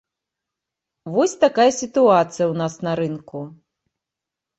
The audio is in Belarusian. Вось такая сітуацыя ў нас на рынку.